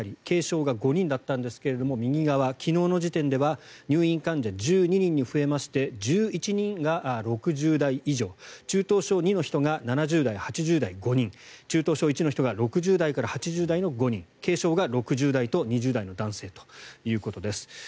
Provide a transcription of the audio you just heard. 軽症が５人だったんですが右側、昨日の時点では入院患者１２人に増えまして１１人が６０代以上中等症２の人が７０代、８０代の５人中等症１の人が６０代から８０代の５人軽症が６０代と２０代の男性ということです。